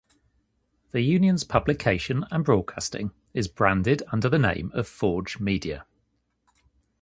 The union's publication and broadcasting is branded under the name of Forge Media.